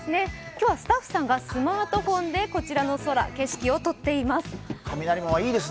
今日はスタッフさんがスマートフォンでこちらの空、景色を撮っています。